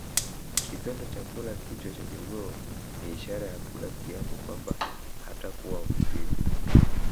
Kitendo cha kula kichwa cha jogoo ni ishara ya kula kiapo kwamba hatakuwa mvivu